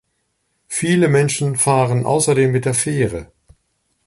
Viele Menschen fahren außerdem mit der Fähre.